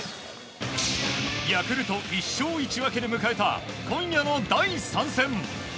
ヤクルト１勝１分けで迎えた今夜の第３戦。